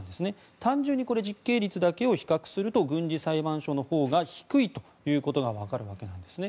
単純に実刑率だけを比較すると軍事裁判所のほうが低いということがわかるわけなんですね。